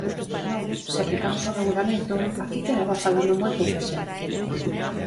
Non, se aplicamos o Regulamento, aquí quedaba falando moi pouca xente.